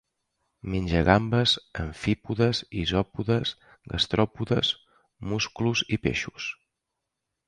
Menja gambes, amfípodes, isòpodes, gastròpodes, musclos i peixos.